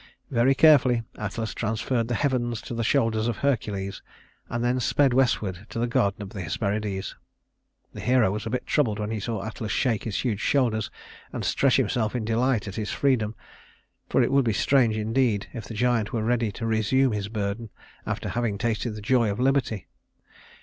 Very carefully Atlas transferred the heavens to the shoulders of Hercules, and then sped westward to the Garden of the Hesperides. The hero was a bit troubled when he saw Atlas shake his huge shoulders and stretch himself in delight at his freedom, for it would be strange, indeed, if the giant were ready to resume his burden after having tasted the joy of liberty.